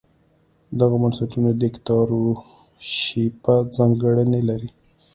دغو بنسټونو دیکتاتورشیپه ځانګړنې لرلې.